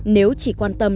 nếu chỉ quan tâm